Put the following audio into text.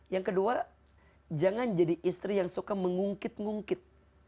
yang kedua jangan jadi istri yang suka mengungkit ngungkit